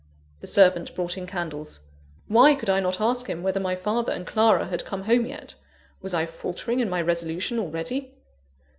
The servant brought in candles. Why could I not ask him whether my father and Clara had come home yet? Was I faltering in my resolution already?